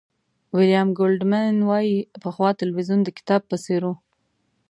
ویلیام گولډمېن وایي پخوا تلویزیون د کتاب په څېر و.